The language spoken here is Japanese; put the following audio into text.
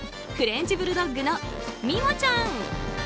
フレンチブルドッグのミモちゃん。